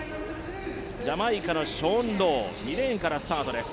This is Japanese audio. ジャマイカのショーン・ロウ２レーンからスタートです。